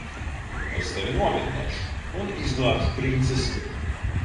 Es tevi novinnēšu un izglābšu princesi.